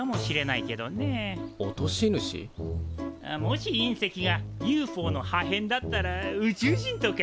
もし隕石がＵＦＯのはへんだったら宇宙人とか？